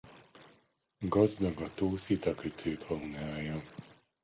Gazdag a tó szitakötő-faunája.